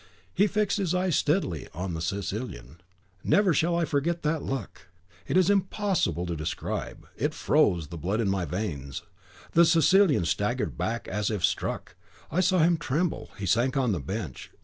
He fixed his eyes steadfastly on the Sicilian; never shall I forget that look! it is impossible to describe it, it froze the blood in my veins. The Sicilian staggered back as if struck. I saw him tremble; he sank on the bench.